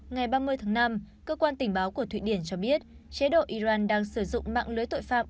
ngày ba mươi tháng năm cơ quan tình báo của thụy điển cho biết chế độ iran đang sử dụng mạng lưới tội phạm